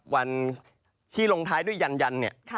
วันที่ลงท้ายด้วยยัน